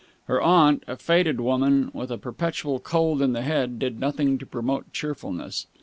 Her aunt, a faded woman, with a perpetual cold in the head, did nothing to promote cheerfulness.